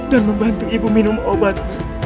dan membantu ibu minum obat